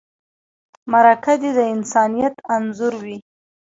مرکه دې د انسانیت انځور وي.